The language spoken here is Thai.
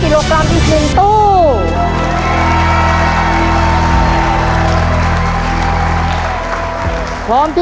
รับทุนไปต่อชีวิตสูงสุดหนึ่งล้อนบอส